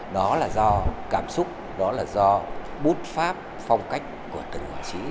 đó là do cảm xúc đó là do bút pháp phong cách của từng họa sĩ